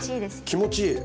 気持ちいい。